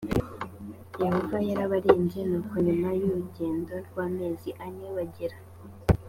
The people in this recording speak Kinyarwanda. yehova yarabarinze nuko nyuma y urugendo rw amezi ane bagera